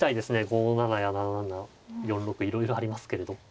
５七や７七４六いろいろありますけれど。